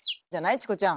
チコちゃん。